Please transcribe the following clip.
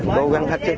cố gắng hết sức